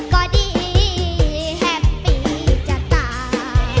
ก็ดีแฮปปี้จะตาย